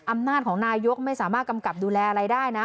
อำนาจของนายกไม่สามารถกำกับดูแลอะไรได้นะ